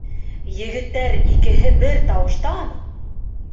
Егеттәр икеһе бер тауыштан: